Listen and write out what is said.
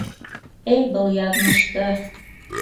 Эй, был яҙмышты!